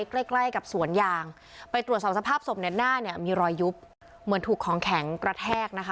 ใกล้ใกล้กับสวนยางไปตรวจสอบสภาพศพเนี่ยหน้าเนี่ยมีรอยยุบเหมือนถูกของแข็งกระแทกนะคะ